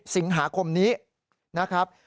สิงหาคมนี้นะครับ